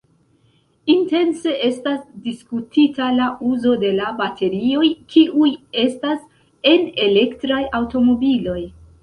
Intense estas diskutita la uzo de la baterioj, kiuj estas en elektraj aŭtomobiloj.